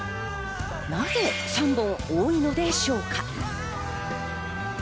なぜ３本多いのでしょうか？